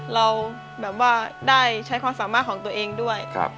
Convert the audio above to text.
เราแบบว่าได้ใช้ความสามารถของตัวเองด้วย